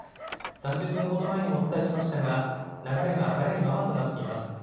３０分ほど前にもお伝えしましたが、流れが速いままとなっています。